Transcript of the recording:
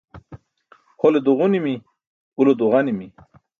Hole duġunimi, ulo duġanimi.